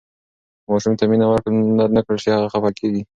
که ماشوم ته مینه ورنکړل شي، هغه خفه کیږي.